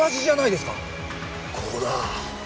ここだ。